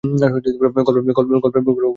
গল্পের মোড় ঘোরে এখানেই।